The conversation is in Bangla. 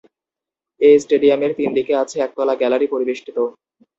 এ স্টেডিয়ামের তিন দিকে আছে একতলা গ্যালারি পরিবেষ্টিত।